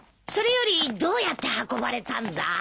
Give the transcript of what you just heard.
それよりどうやって運ばれたんだ？